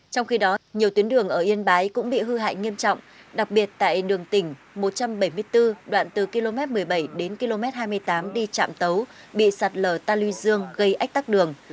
trong khi đó nhiều tuyến đường ở yên bái cũng bị hư hại nghiêm trọng đặc biệt tại đường tỉnh một trăm bảy mươi bốn đoạn từ km một mươi bảy đến km hai mươi tám đi trạm tấu bị sạt lở ta lưu dương gây ách tắc đường